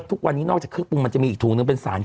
ทุกวันนี้นอกจากเครื่องปรุงจะมีอีกถูกหนึ่ง